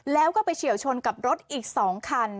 แล้วก็ไปเฉียวชนกับรถอีก๒คัน